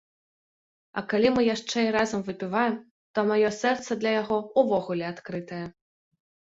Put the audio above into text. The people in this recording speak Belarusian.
А калі мы яшчэ і разам выпіваем, то маё сэрца для яго ўвогуле адкрытае.